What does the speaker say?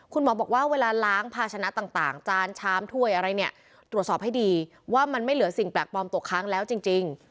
คุณหมอบอกว่าเวลาล้างภาชนะต่างจานชามถ้วยอะไรเนี่ยตรวจสอบให้ดีว่ามันไม่เหลือสิ่งแปลกปลอมตกค้างแล้วจริง